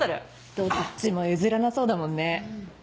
どっちも譲らなそうだもんね。